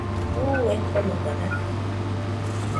Buu ekonoga nase